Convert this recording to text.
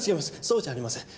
そうじゃありません。